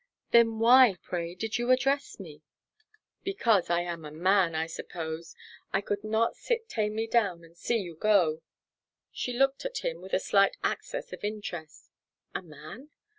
Then why, pray, did you address me?" "Because I am a man, I suppose. I could not sit tamely down and see you go." She looked at him with a slight access of interest. A man?